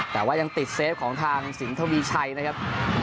แต่ว่ายังติดเซฟของทางสินทวีชัยนะครับ